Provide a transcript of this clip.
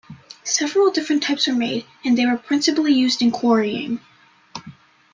Several different types were made, and they were principally used in quarrying.